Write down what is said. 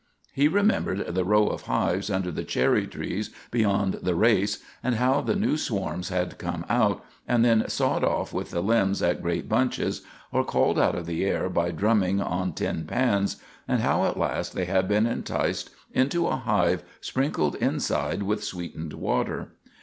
He remembered the row of hives under the cherry trees beyond the race, and how the new swarms had come out, and been sawed off with the limbs in great bunches, or called out of the air by drumming on tin pans, and how at last they had been enticed into a hive sprinkled inside with sweetened water.